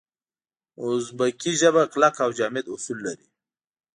اوزبکي ژبه کلک او جامد اصول لري.